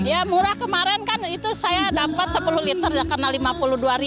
ya murah kemarin kan itu saya dapat sepuluh liter karena rp lima puluh dua